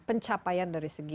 pencapaian dari segi